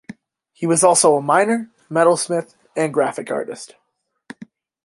He was also a miner, metalsmith, and graphic artist.